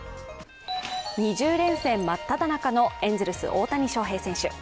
２０連戦真っただ中のエンゼルス、大谷翔平選手。